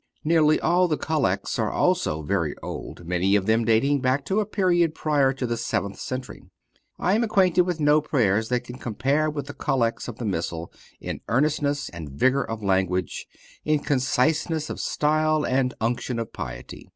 Nearly all the collects are also very old, many of them dating back to a period prior to the seventh century. I am acquainted with no prayers that can compare with the collects of the Missal in earnestness and vigor of language, in conciseness of style and unction of piety.